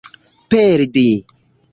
perdi